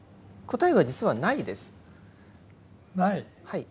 はい。